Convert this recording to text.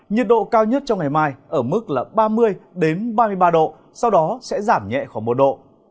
nhiệt độ cao nhất trong ngày mai ở mức là ba mươi ba mươi ba độ sau đó sẽ giảm nhẹ khoảng một độ